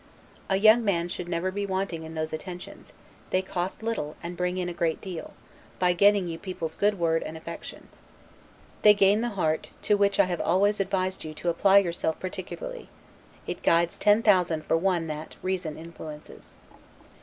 A young man should never be wanting in those attentions; they cost little and bring in a great deal, by getting you people's good word and affection. They gain the heart, to which I have always advised you to apply yourself particularly; it guides ten thousand for one that, reason influences.